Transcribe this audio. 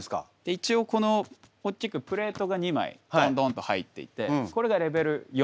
一応この大きくプレートが２枚ドンドンと入っていてこれがレベル４。